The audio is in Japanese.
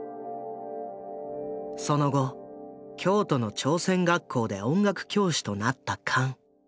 その後京都の朝鮮学校で音楽教師となったカン。